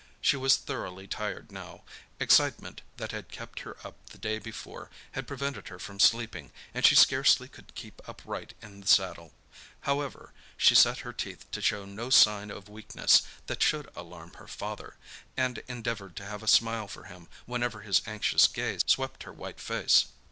She was thoroughly tired now—excitement that had kept her up the day before had prevented her from sleeping, and she scarcely could keep upright in the saddle. However, she set her teeth to show no sign of weakness that should alarm her father, and endeavoured to have a smile for him whenever his anxious gaze swept her white face.